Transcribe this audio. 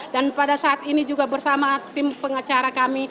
dan pada saat ini juga bersama tim pengacara kami